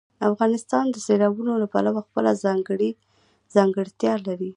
افغانستان د سیلابونو له پلوه خپله ځانګړې ځانګړتیا لري.